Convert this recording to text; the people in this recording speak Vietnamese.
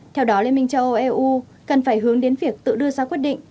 theo đó liên minh châu âu eu cần phải hướng đến việc tự đưa ra quyết định